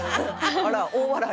あら大笑い。